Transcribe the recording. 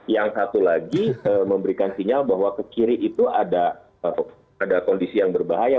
yang satu lagi memberikan sinyal bahwa ke kiri itu ada kondisi yang berbahaya